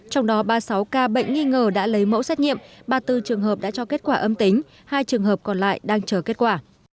trong đó ba mươi sáu ca bệnh nghi ngờ đã lấy mẫu xét nghiệm ba mươi bốn trường hợp đã cho kết quả âm tính hai trường hợp còn lại đang chờ kết quả